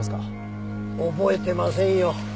覚えてませんよ。